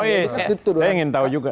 ya saya ingin tahu juga